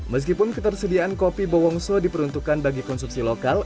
meskipun ketersediaan kopi bowongso diperuntukkan bagi konsumsi lokal